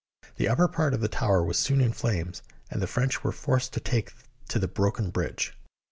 The upper part of the tower was soon in flames, and the French were forced to take to the broken bridge.